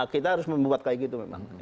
kita harus membuat kayak gitu memang